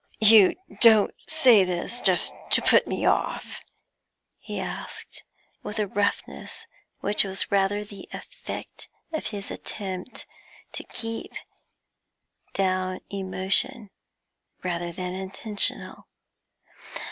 'You don't say this just to put me off?' he asked, with a roughness which was rather the effect of his attempt to keep down emotion than intentional.